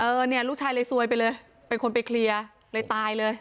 เนี่ยลูกชายเลยซวยไปเลยเป็นคนไปเคลียร์เลยตายเลย